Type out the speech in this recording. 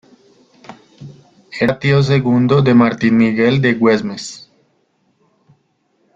Era tío segundo de Martín Miguel de Güemes.